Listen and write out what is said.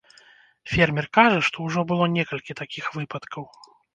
Фермер кажа, што ўжо было некалькі такіх выпадкаў.